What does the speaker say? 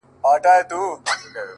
ستا ټولي كيسې لوستې ـ